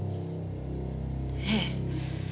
ええ。